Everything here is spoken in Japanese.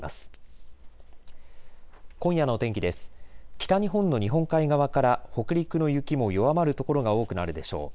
北日本の日本海側から北陸の雪も弱まる所が多くなるでしょう。